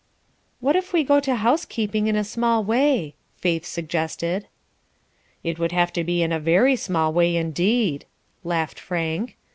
"What if we go to housekeeping in a small way?" Faith suggested. "It would have to be in a very small way indeed," laughed Frank.